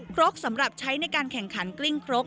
ครกสำหรับใช้ในการแข่งขันกลิ้งครก